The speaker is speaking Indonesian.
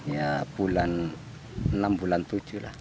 ya bulan enam bulan tujuh lah